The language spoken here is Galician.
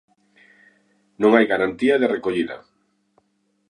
Non hai garantía de recollida.